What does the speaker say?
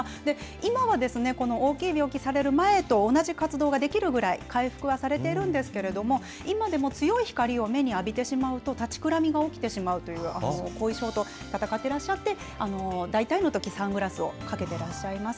今は、この大きい病気される前と同じ活動ができるぐらい回復はされているんですけれども、今でも強い光を目に浴びてしまうと、立ちくらみが起きてしまうという後遺症と闘っていらっしゃって、大体のとき、サングラスをかけてらっしゃいます。